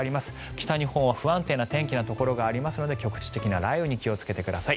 北日本は不安定な天気のところがありますので局地的な雷雨に気をつけてください。